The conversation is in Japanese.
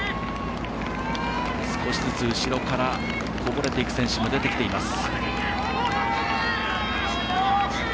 少しずつ、後ろからこぼれていく選手も出ています。